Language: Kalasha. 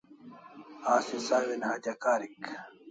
Asi sawin hatya karik